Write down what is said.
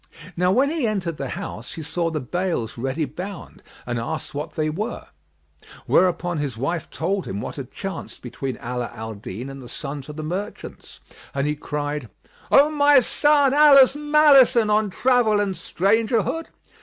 Now when he entered the house, he saw the bales ready bound and asked what they were; whereupon his wife told him what had chanced between Ala al Din and the sons of the merchants; and he cried, "O my son, Allah's malison on travel and stranger hood!